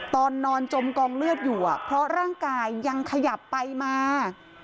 ตอนนอนจมกองเลือดอยู่เพราะร่างกายยังขยับไปมา